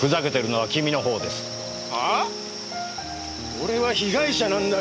俺は被害者なんだよ！